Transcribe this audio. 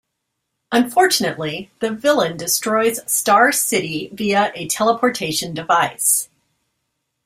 Unfortunately, the villain destroys Star City via a teleportation device.